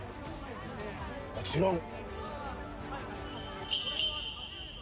もちろん。